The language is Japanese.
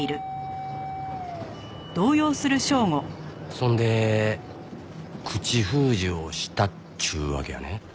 そんで口封じをしたっちゅうわけやね。